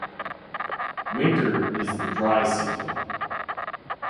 Winter is the dry season.